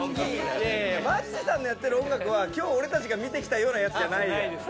いやいやマッチさんがやってる音楽はきょう俺たちが見てきたようなものじゃないよ。